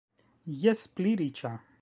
Jes, pli riĉa.